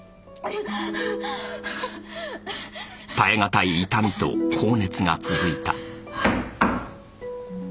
耐え難い痛みと高熱が続いた。